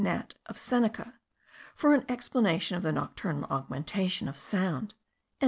Nat. of Seneca, for an explanation of the nocturnal augmentation of sound.)